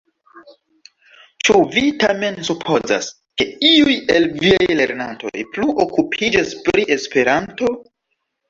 Ĉu vi tamen supozas, ke iuj el viaj lernantoj plu okupiĝos pri Esperanto?